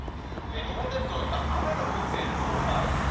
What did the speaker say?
日本列島雨の降っているところもあります。